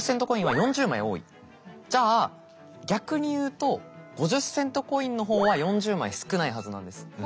じゃあ逆に言うと５０セントコインの方は４０枚少ないはずなんです。